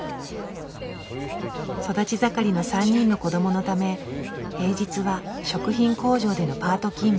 育ち盛りの３人の子供のため平日は食品工場でのパート勤務。